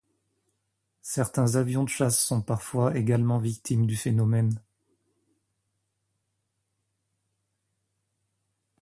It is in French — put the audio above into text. Certains avions de chasse sont parfois également victimes du phénomène.